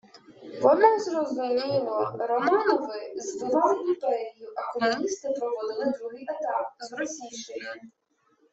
Воно й зрозуміло: Романови «збивали» імперію, а комуністи проводили другий етап – зросійщення